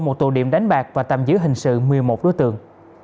một tù điểm đánh bạc và tạm giữ hình sự một mươi một đối tượng